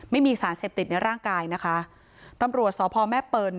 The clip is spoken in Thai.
ไม่มีสารเสพติดในร่างกายนะคะตำรวจสพแม่เปิล